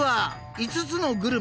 ［５つのグルメ